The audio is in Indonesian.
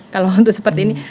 kalau untuk seperti ini